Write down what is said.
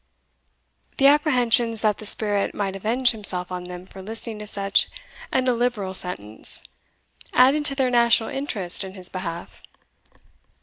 The apprehensions that the spirit might avenge himself on them for listening to such an illiberal sentence, added to their national interest in his behalf.